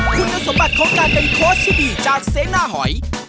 คุณสมบัติของการเป็นโค้ชที่ดีจากเซน่าหอย